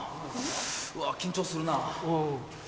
うわ緊張するな。